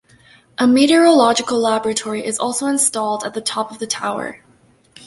A meteorological laboratory is also installed at the top of the tower.